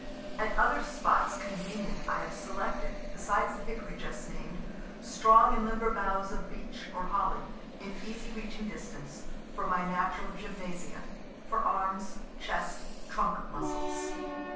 At other spots convenient I have selected, besides the hickory just named, strong and limber boughs of beech or holly, in easy reaching distance, for my natural gymnasia, for arms, chest, trunk muscles.